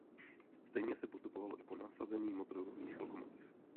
Stejně se postupovalo i po nasazení motorových lokomotiv.